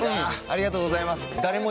ありがとうございます。